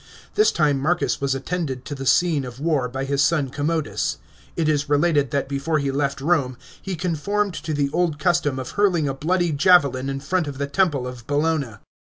This time Marcus was attended to the scene of war by his son Commodus. It is related that before he left Rome he conformed to the old custom of hurling a bloody javelin in front of the temple of Bellona.